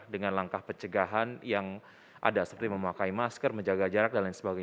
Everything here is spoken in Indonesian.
dengan langkah pencegahan yang ada seperti memakai masker menjaga jarak dll